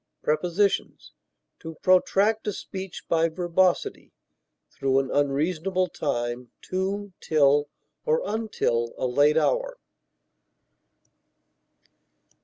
Prepositions: To protract a speech by verbosity, through an unreasonable time, to, till, or until a late hour.